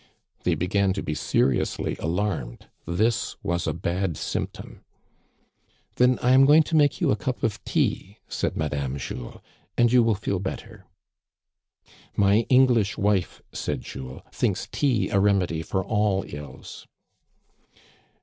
They began to be seriously alarmed ; this was a bad symptom. Then I am going to make you a cup of tea," said Madame Jules, "and you will feel better." " My EngHsh wife," said Jules, " thinks tea a remedy for all ills."